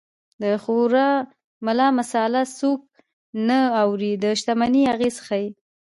د خوار ملا مساله څوک نه اوري د شتمنۍ اغېز ښيي